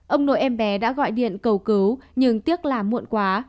ông nội em bé đã gọi điện cầu cứu nhưng tiếc là muộn quá